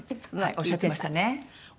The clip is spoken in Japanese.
おっしゃってましたね。